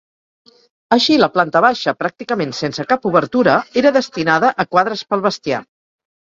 Així la planta baixa, pràcticament sense cap obertura, era destinada a quadres pel bestiar.